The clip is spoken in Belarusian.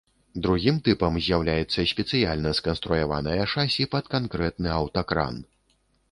Другім тыпам з'яўляецца спецыяльна сканструяванае шасі пад канкрэтны аўтакран.